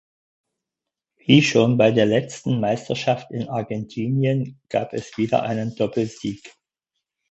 Wie schon bei der letzten Meisterschaft in Argentinien gab es wieder einen Doppelsieg.